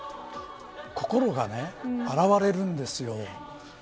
心が洗われるんですよ。